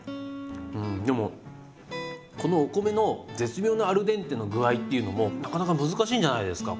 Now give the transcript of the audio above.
うんでもこのお米の絶妙なアルデンテの具合っていうのもなかなか難しいんじゃないんですか？